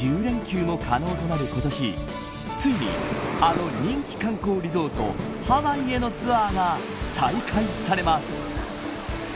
最大１０連休も可能となる今年ついに、あの人気観光リゾートハワイへのツアーが再開されます。